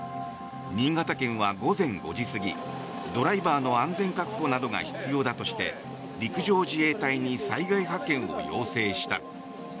新潟県は午前５時過ぎドライバーの安全確保などが必要だとして陸上自衛隊に災害派遣を要請した。